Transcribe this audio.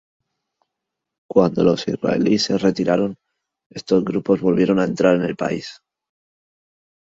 Cuando los israelíes se retiraron, estos grupos volvieron a entrar en el país.